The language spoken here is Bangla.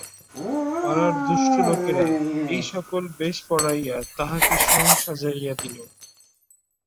পাড়ার দুষ্ট লোকেরা এই সকল বেশ পরাইয়া তাঁহাকে সঙ সাজাইয়া দিল।